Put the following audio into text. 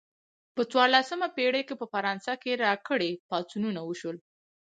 په څوارلسمه پیړۍ کې په فرانسه کې راکري پاڅونونه وشول.